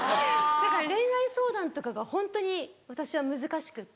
だから恋愛相談とかがホントに私は難しくって。